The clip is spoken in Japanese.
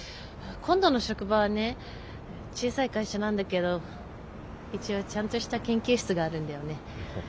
今度の職場はね小さい会社なんだけど一応ちゃんとした研究室があるんだよね。